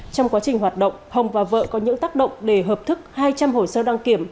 trong quá trình hoạt động hồng và vợ có những tác động để hợp thức hai trăm linh hồ sơ đăng kiểm